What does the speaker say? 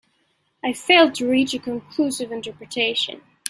I failed to reach a conclusive interpretation.